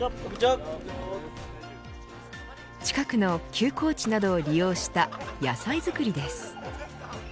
近くの休耕地などを利用した野菜作りです。